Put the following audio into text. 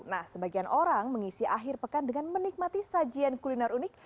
nah sebagian orang mengisi akhir pekan dengan menikmati sajian kuliner unik